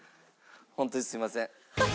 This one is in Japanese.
本当にすみません。